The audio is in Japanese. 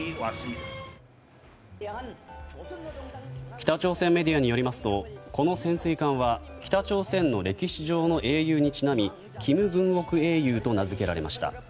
北朝鮮メディアによりますと、この潜水艦は北朝鮮の歴史上の英雄にちなみ「キム・グンオク英雄」と名付けられました。